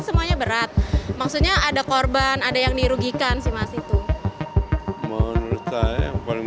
semuanya berat maksudnya ada korban ada yang dirugikan sih mas itu menurut saya yang paling